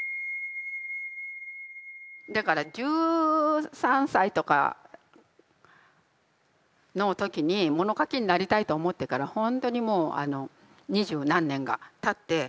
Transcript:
だから１３歳とかの時に物書きになりたいと思ってから本当にもう二十何年がたって。